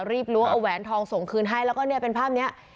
ล้วงเอาแหวนทองส่งคืนให้แล้วก็เนี่ยเป็นภาพนี้